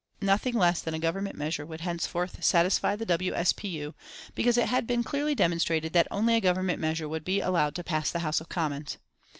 Nothing less than a Government measure would henceforth satisfy the W. S. P. U., because it had been clearly demonstrated that only a Government measure would be allowed to pass the House of Commons.